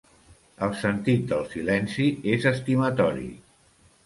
El sentit del silenci és estimatori.